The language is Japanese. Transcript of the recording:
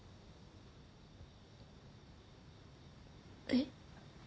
えっ？